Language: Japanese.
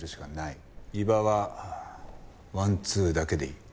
伊庭はワンツーだけでいい。